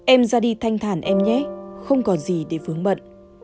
em ra đi thanh thản em nhé không còn gì để vướng mận